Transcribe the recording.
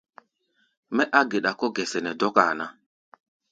Mɛ́ á geɗa kɔ̧́ gɛsɛ nɛ dɔ́káa ná.